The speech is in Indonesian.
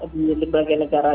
di berbagai negara